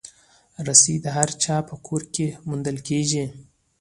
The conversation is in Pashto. رسۍ د هر چا په کور کې موندل کېږي.